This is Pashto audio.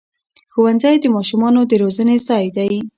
ښوونځی د ماشومانو د روزنې ځای دی